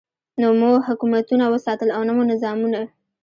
نه مو حکومتونه وساتل او نه مو نظامونه.